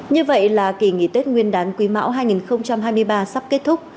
như vậy là kỳ nghỉ tết nguyên đán quý mão hai nghìn hai mươi ba sắp kết thúc